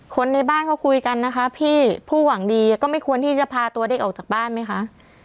คนในบ้านเขาคุยกันนะคะพี่ผู้หวังดีก็ไม่ควรที่จะพาตัวเด็กออกจากบ้านไหมคะ